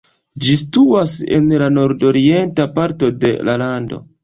Ĝi situas en la nordorienta parto de la lando.